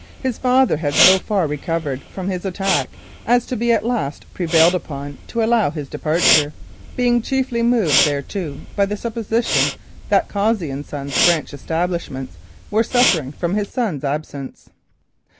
His father had so far recovered from his attack as to be at last prevailed upon to allow his departure, being chiefly moved thereto by the supposition that Cossey and Son's branch establishments were suffering from his son's absence.